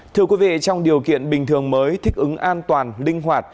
thưa quý vị trong điều kiện bình thường mới thích ứng an toàn linh hoạt